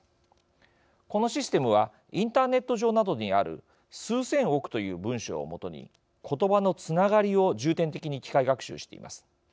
このシステムはインターネット上などにある数千億という文章を基に言葉のつながりを重点的に機械学習しています。